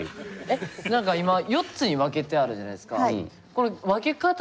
えっ何か今４つに分けてあるじゃないですか。